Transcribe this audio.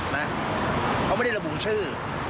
นะเขาไม่ได้ระบุชื่อ